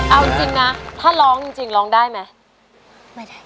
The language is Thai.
เอาจริงนะถ้าร้องจริงร้องได้ไหม